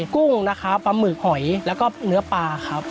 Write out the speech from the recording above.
กุ้งนะครับปลาหมึกหอยแล้วก็เนื้อปลาครับ